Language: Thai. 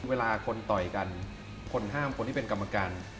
เวลาคนต่อยกันคนห้ามคนที่เป็นกรรมการ